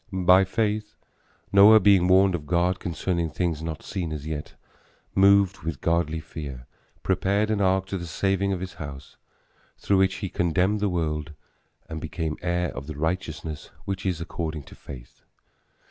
By faith Noah, being warned of God concerning things not seen as yet, moved with godly fear, prepared an ark to the saving of his house, through which he condemned the world and became heir of the righteousness which is according to faith.